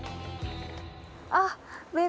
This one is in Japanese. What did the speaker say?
あっ。